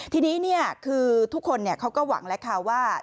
ทีนี้เนี่ยคือทุกคนเนี่ยเขาก็หวังแล้วค่ะว่า